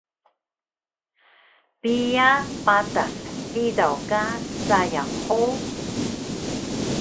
Piya patas hidaw ka sayang hug?